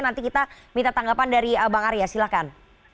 nanti kita minta tanggapan dari bang arya silahkan